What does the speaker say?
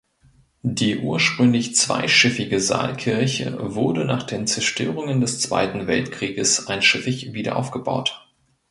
Die ursprünglich zweischiffige Saalkirche wurde nach den Zerstörungen des Zweiten Weltkrieges einschiffig wiederaufgebaut.